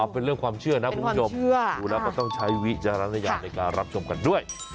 เป็นเรื่องความเชื่อนะคุณผู้ชมดูแล้วก็ต้องใช้วิจารณญาณในการรับชมกันด้วย